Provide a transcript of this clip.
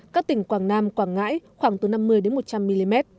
các tỉnh quảng nam quảng ngãi khoảng từ năm mươi đến một trăm linh mm